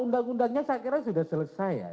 undang undangnya saya kira sudah selesai ya